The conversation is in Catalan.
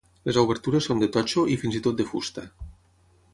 Les obertures són de totxo i fins i tot de fusta.